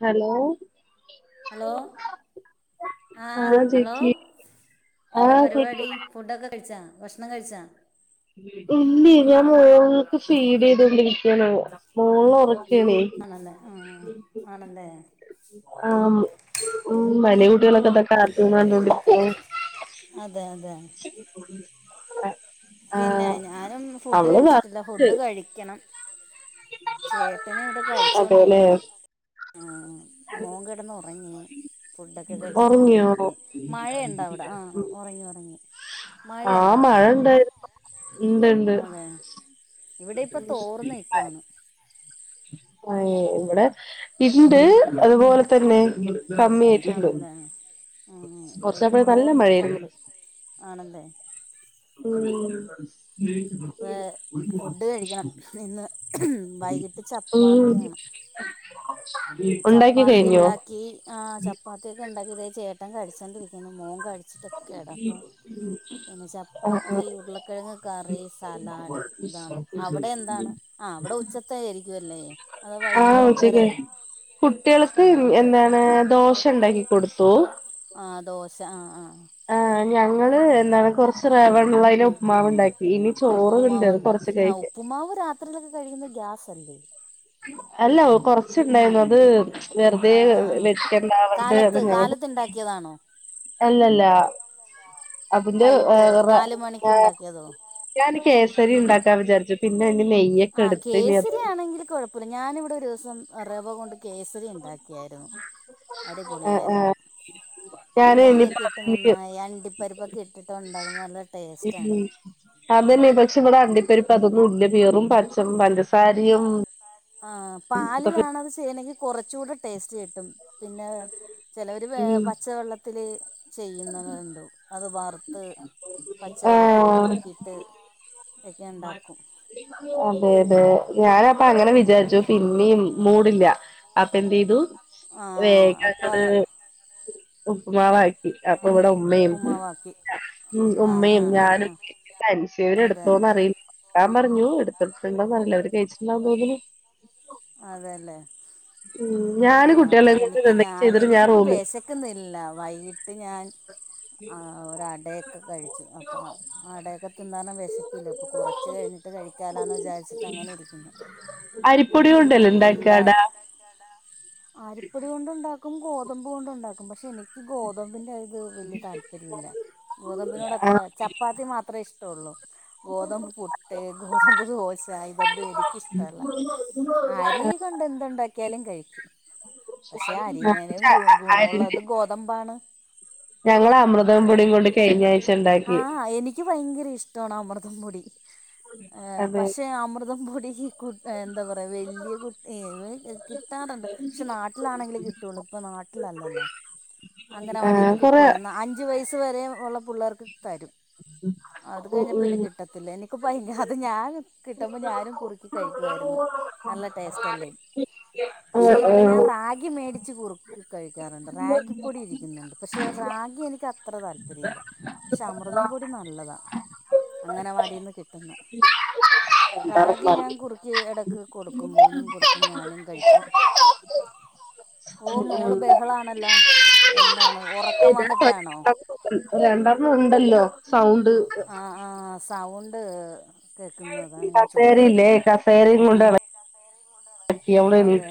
Hello hello ആഹ് hello എന്താ ആഹ് പരിപാടി കേക്കില്ലേ ഫുഡൊക്കെ കഴിച്ചാ ഭക്ഷണം കഴിച്ചാ ഇല്ലെയ് ഞാൻ മോൾക്ക് ഫീൽഡ് ചെയ്തൊണ്ടിരിക്കാണെ മോള് ഒറ ക്കേണി ആണല്ലേ ആഹ് ആണല്ലേ ആഹ് ഉം അല്ലയി കുട്ടിയളൊക്കെ തട്ട [unintelligible] ക്ക ആട്ടണ്ടോണ്ടിരിക്ക അതെ അതെ [unintelligible] പിന്നെ ആഹ് ഞാനും ഫുഡ് അവള് കഴിച്ചിട്ടില്ല വർക്ക് ഫുഡ് കഴിക്കണം ചേട്ടന് ഇവിടെ അതേല്ലേ കഴിച്ചുകൊണ്ടിരിക്കുന്നു ആഹ് മോൻ കെടന്ന് ഒറങ്ങി ഫുഡൊക്കെ കഴിച്ച് കെടന്ന് ഒറങ്ങിയോ ഉറങ്ങി മഴയുണ്ട അവിടെ ആഹ് ഒറങ്ങി ഒറങ്ങി ആഹ് മഴണ്ട് ഇണ്ട് ഇണ്ട് അതെ ഇവിടെ ഇപ്പം തോർന്ന് നിൽക്കുവാണ് [unintelligible] ഏഹ് ഇവിടെ ഇണ്ട് അതുപോലെ തന്നെ കമ്മിയായിട്ടുണ്ട് ആണല്ലേ ആഹ് ഇവിടെ ഇപ്പ കൊറച്ചപ്പഴ് നല്ല തോന്ന്ണ് ഇപ്പണ്ട് മഴയായിരുന്നു ആണല്ലെ ഉം ഏഹ് ഫുഡ് കഴിക്കണം ഇന്ന് വൈകിട്ട് ച ഓഹ് ഉണ്ടാക്കി കഴിഞ്ഞോ ആഹ് ചപ്പാത്തിയൊക്കെണ്ടാക്കി ദേ ചേട്ടൻ കഴിച്ചൊണ്ടിരിക്കുന്നു മോൻ കഴി വച്ചിട്ടൊക്കെ കെടന്നു. പിന്നെ ആഹ് ചപ്പാത്തി ആഹ് ഉരുളക്കിഴങ്ങ് കറി, സലാഡ്, ഇതാണ്. അവിടെ എന്താണ് ആ അവിടെ ഉച്ചത്തെ ആയിരിക്കുല്ലേ. അതൊ വൈന്നേരം വേറെ ആ കുട്ട്യേൾക്ക് ആ എന്താണ് ദോശ ഇണ്ടാക്കി കൊടുത്തു. ആഹ് ദോശ ആഹ് ആഹ് ആ ഞങ്ങള് എന്താണ് കൊറച്ച് റെവെണ്ളയ്ല് ഉപ്പ്മാവ് ഉണ്ടാക്കി. ഇനി ചോറ് ഇണ്ട്. അത് കൊറച്ച് കൈക്ക ഉപ്പ്മാവ് രാത്രിയിലൊക്കെ കഴിക്കുന്നത് ഗ്യാസെല്ലേ. അല്ല കൊറച്ച്ണ്ടായിന്നു. അത് വെറുതെ ആ വെക്കണ്ടാവട്ട് അത് ഇങ്ങ [unintelligible] ഇത് ഇണ്ടാക്കിയതാണോ. അല്ലല്ല അതിന്റെ വൈകിട്ട് ഹ് റെവ നാല് മണിക്ക് ഉണ്ടാക്കിയതോ ഞാന് കേസരി ഇണ്ടാക്കാൻ വിചാരിച്ചു. പിന്നെ ഐന് നെയ്യ് ആഹ് കേസരി ആണെങ്കില് കൊഴപ്പൊല്ല. ഞാനിവിടെ ഒരോസം റവ കൊണ്ട് കേസ് ഇച്ചിരി ഇണ്ടാക്ക്യാരുന്നു. അടിപൊളിയായിരുന്നു. ഞാൻ നെയ്യ് ഒക്കെ ഇട്ട് ഇനിപ്പ മന്നായി അണ്ടിപ്പരിപ്പൊ ക ഇട്ടിട്ട് ഉണ്ടാകുമ്പ നല്ല ഉം ടേസ്റ്റാണ് അതെന്നെ. പക്ഷെ ഇവടെ അണ്ടിപ്പരിപ്പ് അതൊന്നും ഇല്ല. വെറും പച്ചം പഞ്ചസാരിം. ആ പാലിലാണത് ചെയ്യണെങ്കി കൊറച്ചൂടെ ടേസ്റ്റ് കിട്ടും. പിന്നെ ചെലവർ ഉം പച്ചവെള്ളത്തില് ചെയ്യുന്നതുണ്ട്. അത് വർ ത്ത് പച്ചവെള്ളത്തില് ആഹ് കുറുക്കിട്ട് ഒക്കെ ഇണ്ടാക്കും. അതെ അതെ ഞാന അപ്പെ അങ്ങനെ വിചാരിച്ചു പിന്നിം മൂടില്ല. അപ്പ എന്തെയ്തു. ആ വേഗങ്ങട് അപ്പം ഉപ്പ്മാവാക്കി. അപ്പൊ ഇവിടെ ഉമ്മിം. ഉപ്പുമാവാക്കി ഉം ആ ഉമ്മേം ആ ആ ആ ഞാനും [unintelligible] അതെ എടുത്ത് റിൽ ഞാൻ പറഞ്ഞു. ഇട്ത്തട്ത്തങ്ങളും പറ്ഞ്ഞില്ലെ ഒര് കൈചെയ്നാ [unintelligible] ന്നു അതെല്ലെ. ഉം ആ ഞാന് കുട്ടികളെ അപ്പ കൊണ്ട് എനിക്ക് ഞാ ഇതുണ്ടാക്കി ചെയ്തിട്ട് ഞാൻ എനിക്കിപ്പ റൂമിൽ വെശക്ക്ന്നില്ല. വൈകീട്ട് ഞാൻ ഒര് അടയൊക്കെ കഴിച്ചു. അപ്പം അടയൊക്കെ തിന്നാന വെശപ്പില്ല. അപം കുറച്ച് കഴിഞ്ഞി വിട്ട് കഴിക്കാലാന്ന് വിചാരിച്ചിട്ട് അങ്ങനെ ഇരിക്കുന്നു. അരിപ്പൊടി കൊണ്ടല്ലെ ഉണ്ടാക്കാട. ആരിപ്പൊടി കൊണ്ട് ഉണ്ടാക്കും, ഗോതമ്പ് കൊണ്ടു, ഉണ്ടാക്കും. പക്ഷെ എനിക്ക് ഗോതമ്പിന്റെ അത് വല്യ താല്പര്യ ഇല്ല. ഗോതമ്പിനോട് അത്ര ആഹ് ചപ്പാത്തി മാത്രേ ഇഷ്ടൊള്ളു. ഗോതമ്പ് പുട്ട്, ഗോതമ്പ്, ദോശ, ഇതന്നും എനക്ക് ഇഷ്ടല്ല. ആരി കൊണ്ട് എന്തുണ്ടാക്കിയാലും കഴിക്കും. പക്ഷെ അരിനാനും അരിന്റെ ഗുണവുള്ളത് ഗോതമ്പാണ്. ഞങ്ങള് അമൃതം പൊടിം കൊണ്ട്. കഴ്ഞ്ഞ ആഴ്ച ഉണ്ട്. ആഹ് എനിക്ക് ഭയങ്കര ഇഷ്ടാണ് അമൃതംപൊടി. ഏഹ് അതെ പക്ഷെ അമൃതം പൊടിഈ കു എന്താ പറയ വല്യ കുട്ടിഏ കിട്ടാറ്ണ്ട്. പക്ഷെ നാട്ടിലാണെങ്കില് കിട്ടൊള്ളു. ഇപ്പ നാട്ടിലല്ലല്ലൊ. ആഹ് അംഗനവാടീന്ന് കൊറെ കിട്ടൊല്ലൊ. അഞ്ചു വയസ് വരേ ഉള്ള പിള്ളേർക്ക് തരും. അത് കഴിഞ്ഞ പിന്നെ ഉം കിട്ടത്തില്ല. എനിക്ക് ഭയ അത് ഞാൻ കിട്ടുമ്പ ഞാനും കുറുക്കി കഴിക്ക്യുവായിരുന്നു. നല്ല ടേസ്റ്റ് അല്ലെ. പക്ഷെ ഇവടെ ഞാൻ ഉം റാഗി മേടിച്ച കുറുക്കി കഴിക്കാറ്ണ്ട്. റാഗി പൊടി ഇരിക്ക്ന്ന്ണ്ട്. പക്ഷെ റാഗി എനിക്കത്ര താല്പര്യല്ല. ക്ഷെ അമൃതം പൊടി നല്ലത. അങ്ങനവാടീന്ന് കിട്ട്ന്ന റാഗി ഞാൻ കുറ് [unintelligible] ഇടക്ക് കൊടുക്കും മോനും കൊടുക്കും ഞാനും കഴിക്കും ഓ മോള് ബഹളാണല്ലോ എന്താണ് ഉറക്കം വന്നിട്ടാണോ രണ്ടെണ്ണം ഉണ്ടല്ലോ സൗണ്ട് ആഹ് ആഹ് സൗണ്ട് കേൾക്കുന്ന് അതാണ് ഞാൻ ചോദിച്ചത് കസേരയില്ലേ അതെ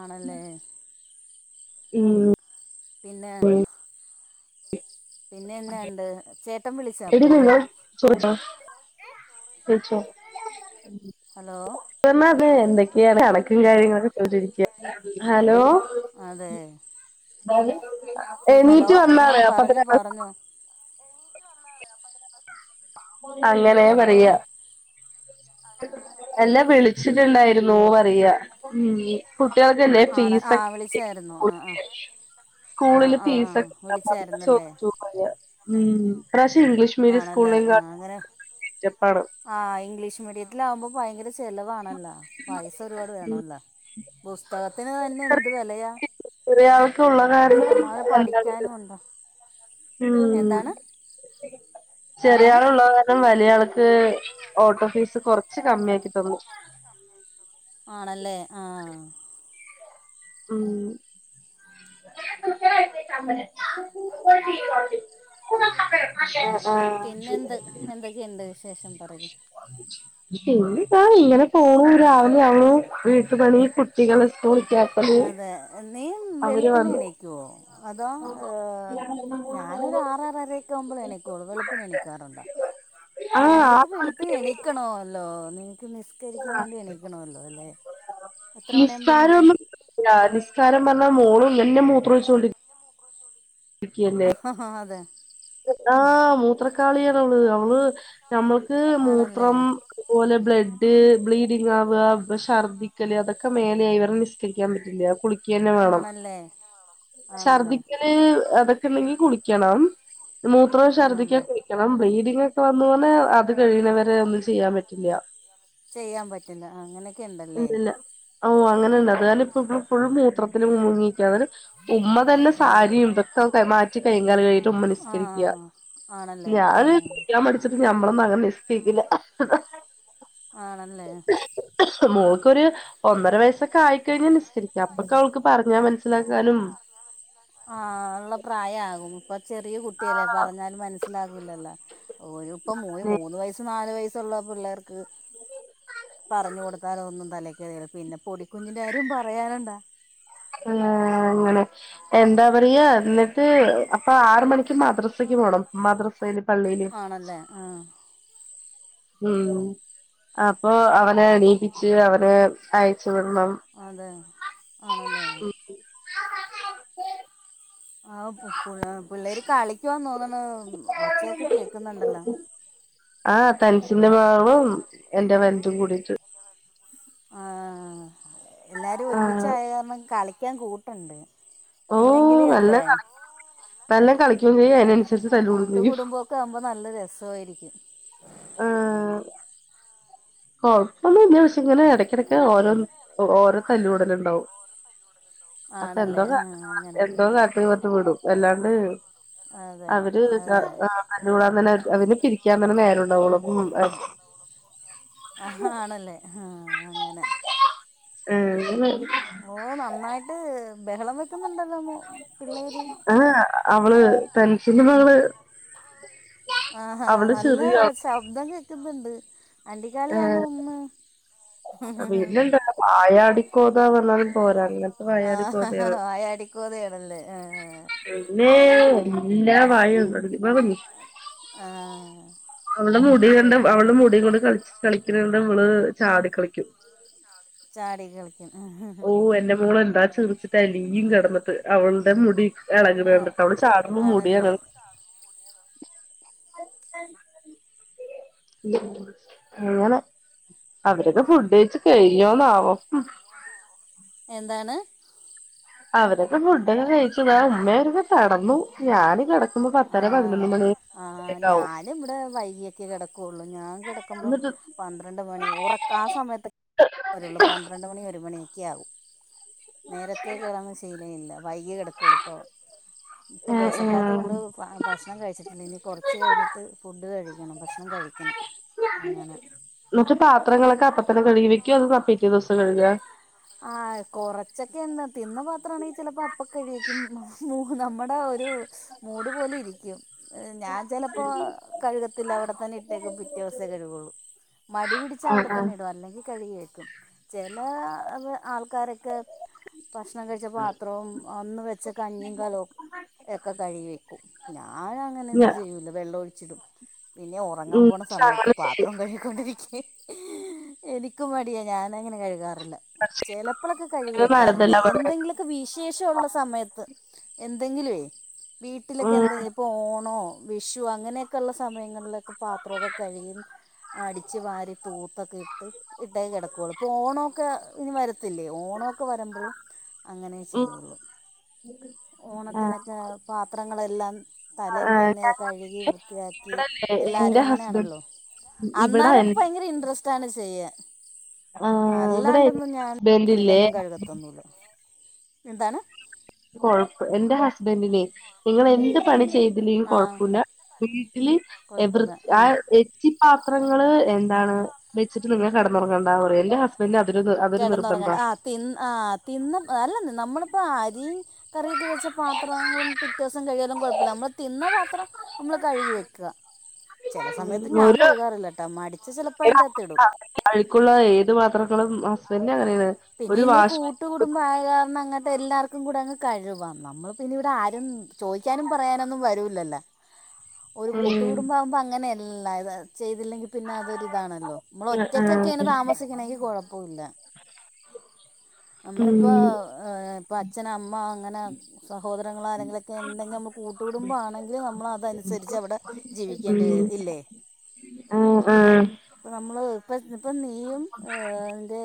ആണല്ലേ ഉം പിന്നെ പിന്നെ എന്തുണ്ട് ചേ [unintelligible] കഴിച്ചോ ഹലോ [unintelligible] എന്തൊക്കെയോ കണക്കും കാര്യങ്ങളക്കെ [unintelligible] ഹലോ അതെ ഹലോ എണീറ്റ് വന്നാണ് ആഹ് പറഞ്ഞോ അപ്പത്തിന് പറഞ്ഞോ അങ്ങനെ ഹലോ പറയാ എന്നെ വിളിച്ചിട്ടുണ്ടായിരുന്നു പറയാ ഉം കുട്ടികൾക്കല്ലെ ആണ് ഫീസ് ആ ഒക്കെ വിളിച്ചായിരുന്നു ആ ആ [unintelligible] ആ സ്കൂളില് ആ ആ ഫീസ്ക്കെ വിളിച്ചായിരുന്നല്ലേ [unintelligible] ഉം ഇപ്രാവശ്യം ഇംഗ്ലീഷ് ആണല്ലേ [unintelligible] ആഹ് ഇംഗ്ലീഷ് മീഡിയത്തിലാകുമ്പോ ഭയങ്കര ചിലവാണല്ലോ പൈസ ഒരുപാട് ഉം വേണല്ലോ പുസ്തകത്തിന് തന്നെ എന്ത് വിലയാ ചെറിയാൾക്കുള്ള കാരണം ഇഷ്ടം പോലെ എന്താണ് പഠിക്കാനും ഉണ്ട് ഉം ചെറിയ എന്താണ് ആള് ഉള്ളത് കാരണം വലിയ ആൾക്ക് ഓട്ടോ ഫീസ് കുറച്ച് കമ്മി ആക്കി തന്നു. ആണല്ലേ ആഹ്. ഉം [unintelligible] ആഹ് ആഹ്. പിന്നെന്ത് എന്തൊക്കെയുണ്ട് വിശേഷം പറയൂ പിന്നിതാ ഇങ്ങനെ പോന്നു രാവിലെ ആവണു വീട്ടു പണി കുട്ടികളെ സ്കൂളിക്ക അതെ നീ വെളുപ്പിനെ വന്നു എണീക്കുവോ അതോ? ഏഹ് ഞാനൊരു ആറാറരൊക്ക ആകുമ്പോൾ എണിക്കൂള്ളു വെളുപ്പിന് എണിക്കാറുണ്ടോ? ആ ആഹ് ആ നിങ്ങൾക്ക് പണിയല്ലേ വെളുപ്പിന്എണീക്കണോല്ലോ നിങ്ങൾക്ക് നി നിസ്കരിക്കാൻ വേണ്ടി എണീക്കണമല്ലോ അല്ലേ എത്ര മണിയാകുമ്പോൾ എണീക്കും. ആഹ് നിസ്കാരം എന്ന് പറഞ്ഞാൽ മോളും [unintelligible] മൂത്രം ഒഴിച്ചോണ്ടിരിക്കു [unintelligible] ആ അതെ ആഹ് മൂത്രക്കാളിയാണ് അവള് നമ്മൾ. ആണല്ലേ മൂത്രം. അതുപോലെ ബ്ലഡ് ബ്ലീഡിങ് ആവുക ഛർദ്ദിക്കല് അതൊക്കെ മേലെയായി ഇവ നിസ്കരിക്കാൻ പറ്റില്ല കുളിക്കന്നെ വേണം. ആണല്ലേ ആണല്ലേ ചർദ്ദിക്കൽ [unintelligible] അതൊക്കെ ഉണ്ടെങ്കിൽ കുളിക്കണം മൂത്രം ആണല്ലേ ഛർദ്ദിക്കൊക്കെ. [unintelligible] ബ്ലീഡിങ് ഒക്കെ വന്ന പിന്നെ അത് കഴിയുന്നവരെ ഒന്നും ചെയ്യാൻ പറ്റില്ല. ചെയ്യാൻ പറ്റില അങ്ങനെയൊക്കെ ഉണ്ടല്ലേ. ഇല്ലില്ല ഓ അങ്ങനുണ്ട് അത് കാരണം ഇപ്പ ഇപ്പ ഫുൾ മൂത്രത്തില് മുങ്ങി നിക്കാണ് ഉമ്മ തന്നെ അതെ സാരിയും [unintelligible] മാറ്റി കയ്യും കാലും കഴുകീട്ട് ഉമ്മ ആ നിസ്കരിക്കുക ആണല്ലേ ആ ഞാന് കുളിക്കാൻ ഞമ്മളൊന്നും അങ്ങനെ നിസ്കരിക്കില്ല. ആണല്ലേ. മോൾക്കൊരു. ഒന്നര വയസൊക്കെ ആയിക്കഴിഞ്ഞാ നിസ്സരിക്കാം അപ്പൊക്കെ അവൾക്ക് പറഞ്ഞാ മനസ്സിലാക്കാനും. ആഹ് അതിന്ള്ള പ്രായാകും ഇപ്പൊ ചെറിയ കുട്ടിയല്ലേ ആ പറഞ്ഞാല് മനസ്- ലാകൂല്ലല്ലോ ഒരു ഇപ്പ മൂന്ന് വയസ്സ് നാലു വയസ്സുള്ള പിള്ളേർക്ക്. പറഞ്ഞു കൊടുത്താലൊന്നും തലേ ക്കേറിയേല പിന്നെ പൊടിക്കുഞ്ഞിന്റെറെ കാര്യം പറയാനുണ്ടാ ആഹ് അങ്ങനെ. എന്താ പറയ എന്നിട്ട് അപ്പൊ ആറ് മണിക്ക് മദ്രസക്ക് പോണം മദ്രസയില് പള്ളിയില്. ആണല്ലേ? ആഹ്. ഉം അപ്പൊ അവനെ എണീപ്പിച്ച് അവനെ അയച്ചു വിടണം. അതെ ആണല്ലേ? ആഹ് പുള്ളേ പുള്ളേര് കളിക്കുവാ തോന്നണ ഒച്ചയൊക്കെ കേക്കുന്നുണ്ടല്ലോ. ആഹ് തെനസിന്റെ മകളും എന്റെ വൽതും കൂടിട്ട്. ആഹ് എല്ലാരും ആഹ് ഒരുമിച്ചായ കാരണം കളിക്കാൻ കൂട്ടുണ്ട്. ഓഹ് ഇല്ലെങ്കില് അല്ലേ നല്ലതാ നല്ലം കളിക്കും ചെയ്യും അയിനനുസരി കൂട്ട് കുടുംബൊക്കെയാവുമ്പോ നല്ല രസവായിരിക്കും. ആഹ്. കൊഴപ്പൊന്നുല്ല പക്ഷേ ഇങ്ങനെ ഇടയ്ക്കിടക്ക് ഓരോ ഓരോ തല്ലൂടല്ണ്ടാവും. അപ്പ ആണല്ലേ എന്തോ ആ അങ്ങനെ എന്തോ കാട്ടിങ്ങട്ട് വിടും എല്ലാണ്ട്. അതെ അവര് എന്താ അതെ ആഹ് അടി കൂടാ തന്നെ അവരെ പിരിക്കാ തന്നെ നേരണ്ടാവൊള്ളൂ അപ്പം ആഹ് ആണല്ലേ ആ അങ്ങനെ. ഉം ന്ന് ഓഹ് നന്നായിട്ട് ബഹളം വെക്കുന്നുണ്ടല്ലോ മോ പിള്ളേർ ആഹ് അവള് തൻഷിന്റെ മകള്. ആഹ് ഹാ അവള് നല്ല ചെറിയ ശബ്ദം കേക്കുന്നുണ്ട്. അണ്ടികാളിയാന്നൊന്ന്. വായടിക്കോതാ പറഞാലും പോരാ അങ്ങനെ ആഹ് ആ വായാടിക്കോതയണല്ലേ ആ ഇമ്മേ എല്ലാ വായ ആഹ് അവളുടെ മുടി കണ്ട അവളുടെ മുടി കൊണ്ട് കളിച് കളിക്കണണ്ട ഇവള് ചാടി കളിക്കും. ചാടി കളി എഹേ ഓ എന്റെ മോളെന്താ ചിറിച്ചിട്ട് അലിയും കിടന്നിട്ട് അവളുടെ മുടി എളക്ണ ആ ണ്ട്ട്ട് അവള് ചാടുമ്പോ മുടിയാണ് ആണല്ലേ അങ്ങനെ അവരൊക്കെ ഫുഡ്കഴിച്ച് കഴിഞ്ഞോന്നാവോ? [inaudible] എന്താണ്? അവരൊക്കെ ഫുഡൊക്കെ കഴിച്ച് ദേ ഉമ്മയവരൊക്കെ കെടന്നു ഞാന് കെട ആഹ് ആ ക്കാവും ഞാന്ബടെ വൈകിയൊക്കെ കെടക്കുവൊള്ളു ഞാൻ കെടക്കുമ്പോ എന്നിട്ട് പന്ത്രണ്ട് മണി ഉറക് ആ സമയത്ത് വരുള്ളൂ പന്ത്രണ്ട് പന്ത്രണ്ട് മണി ഒരു മണിയൊക്കെയാവും നേരത്തേ കിടന്ന് ശീലമില്ല വൈകിയെ കെടകൊള്ളുയിപ്പോ. ഇപ്പൊ ഏ ഏ വെശക്കാത്തോണ്ട്. ആ ഭക്ഷണം കഴിച്ചിട്ടില്ല ഇനി കുറച്ച് കഴിഞ്ഞിട്ട് ഫുഡ് കഴിക്കണം ഭക്ഷണം കഴിക്കണം അങ്ങനെ ഇന്ന്ട്ട് പാത്രങ്ങളൊക്കെ അപ്പ തന്നെ കഴുകിവെക്കൊ അതോ പിറ്റേ ദിവസം കഴുകേ? ആഹ് കൊറച്ചൊക്കെയൊന്ന് തിന്ന പാത്ര [unintelligible] ചിലപ്പോ അപ്പ കഴികിക്കും നമ്മുടെ ഒരു മൂട് പോലെ ഇരിക്കും ഞാൻ ചെലപ്പോ കഴുകത്തില്ല അവിടെത്തന്നെ ഇട്ടേക്കും പിറ്റേ ദിവസേ കഴുകുള്ളു മടി പിടിച്ച് ആ അവിടെ ആ തന്നെ ഇടും അല്ലെങ്കിൽ കഴുകി വെക്കും. ചെലെ ആൾക്കാരൊക്കെ. ഭക്ഷണം കഴിച്ച പാത്രവും അന്ന് വെച്ച കഞ്ഞീം കലോം. ക്കെ കഴുകി വെക്കും ഞാൻ ഞ അങ്ങനെയൊന്നും ചെയ്യൂല്ല വെള്ളം ഒഴിച്ചിടും പിന്നെ ഉറങ്ങാൻ ഉം പോണ പക്ഷെ സമയത്ത് അങ്ങനെ ചെയ്യ പാത്രം കഴ് [unintelligible] എനിക്കും മടിയാ ഞാനങ്ങനെ കഴുകാറില്ല. ചെലപ്പളൊക്കെ കഴുകി വെക്കാറുണ്ട് നല്ലതല്ല പറയാ എന്തെങ്കിലും. വിശേഷഉള്ള സമയത്ത് എന്തെങ്കിലുഏ വീട്ടിലൊക്കെ ഉം എന്തെങ്കിലും ഇപ്പോ ഓണോ വിഷോ അങ്ങനെയൊക്കെ ഉള്ള സമയങ്ങ [unintelligible] പാത്രൊക്കെ കഴു. അടിച്ച് വാരി തൂത്തൊക്കെ ഇട്ട് ഇട്ടേ കെടകൊള്ളു ഇപ്പോ ഓണൊക്കെ [unintelligible] ത്തില്ലേ ഓണൊക്കെ വരുമ്പള് അങ്ങനെ ഉം ചെയ്യുള്ളൂ. ഓണത്തിനൊക്കെ പാത്രങ്ങളെല്ലാ തലേന്ന് തന്നെ കഴുകി വൃത്തിയാക്കി ഇവിടല്ലേ എല്ലാരും എന്റെ ഹസ്ബൻഡ് അങ്ങനെയാണല്ലോ. ഇവിടെ എ അന്നാരൊക്കെ ഭയങ്കര ഇൻട്രസ്റ്റ് ആണ് ചെയ്യാൻ ആഹ് ഇവിടെ ഹസ്ബൻഡ് ഇല്ലേ ഒന്നൂലഎന്താണ്. കൊഴപ്പ എന്റെ ഹസ്ബൻഡിനെ നിങ്ങൾ എന്തുപണി ചെയ്തി ചെയ്തില്ലേലും ആ കൊഴപ്പൊല്ല വീട്ടില് കുഴപ്പമില്ല ആ വൃത്ത എച്ചി പാത്രങ്ങള് എന്താണ് വെച്ചിട്ട് ഇങ്ങൾ കെടന്നുറങ്ങേണ്ട പറ [unintelligible] പിന്നെ [unintelligible] കെടന്നുറങ്ങ [unintelligible] തിന്ന് ആ തിന്ന് അല്ല നമ്മളിപ്പോ അരിം കറിയൊക്കെ വെച്ച പാത്രങ്ങളു. പിറ്റേസം കഴികിയാലും കുഴപ്പല്ല നമ്മള് തിന്ന പാത്രം നമ്മള് കഴുകി വെക്ക ചെല സമയത്ത് ഞാൻ കഴുകാറില്ല ട്ടമടി [unintelligible] ഹസ്ബൻഡ് അങ്ങനെണ് [unintelligible] കൂട്ടു കുടുംബം ആയ കാരണം അങ്ങനത്തെ എല്ലാർക്കും കൂടെ അങ്ങ് കഴുകാം നമ്മൾ പിന്നെ ഇവിടെ ആരും. ചോയ്ക്കാനും പറയാനൊന്നും വരൂല്ലല്ലോ. ഒരു ഉം കൂട്ടുകൂടുംമ്പ ആകുമ്പോ അങ്ങനെയല്ലത് ചെയ്തില്ലെങ്കിൽ പിന്നെ അതൊരിതാണല്ലോ നമ്മൾ ഒറ്റക്കൊക്കെണ് താമസിക്കണെങ്കിൽ കുഴപ്പം പ്പോല്ല നമ്മളിപ്പോ ഉം ആ ഇപ്പൊ അച്ഛന അമ്മ അങ്ങന സഹോദരങ്ങള ആരെങ്കിലുക്കെ ഇണ്ടെങ്കിൽ - കൂട്ടുകുടുംബം ആണെങ്കിൽ നമ്മള് അതനുസരിച്ച് അവിടെ ഉം ജീവിക്കേണ്ടി ഉം വരും ഇല്ലേ ആഹ് ആഹ് ഇപ്പ നമ്മള് ഇപ്പ ഇപ്പ നീയും ഏ